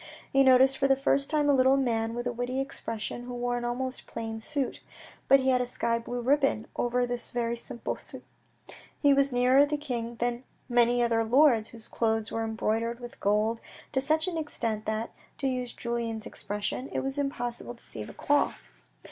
He noticed for the first time a little man with a witty expression, who wore an almost plain suit. But he had a sky blue ribbon over this very simple suit. He was nearer the king than many other lords, whose clothes were embroidered with gold to such an extent that, to use Julien's expression, it was impossible to see the cloth.